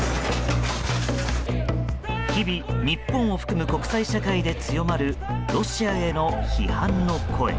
日々、日本を含む国際社会で強まるロシアへの批判の声。